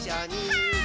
はい。